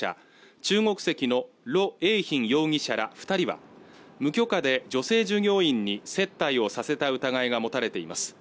中国籍のロ盧永斌容疑者ら二人は無許可で女性従業員に接待をさせた疑いが持たれています